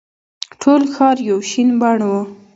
ټول ښار یو شین بڼ وو.